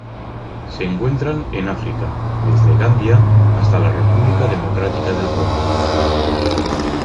Se encuentran en África: desde Gambia hasta la República Democrática del Congo.